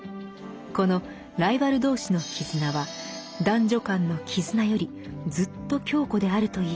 このライバル同士の絆は男女間の絆よりずっと強固であるといいます。